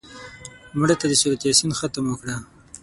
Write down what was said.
مړه ته د سورت یاسین ختم وکړه